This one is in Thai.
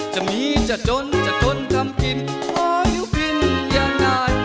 จะมีจะจนจะจนกำกินพออยู่พินอย่างนาย